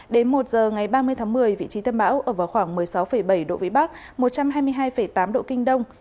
đến một giờ ngày ba mươi tháng một mươi vị trí tâm bão ở vào khoảng một mươi sáu bảy độ vĩ bắc một trăm hai mươi hai tám độ kinh đông